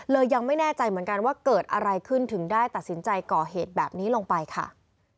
ยังไม่แน่ใจเหมือนกันว่าเกิดอะไรขึ้นถึงได้ตัดสินใจก่อเหตุแบบนี้ลงไปค่ะ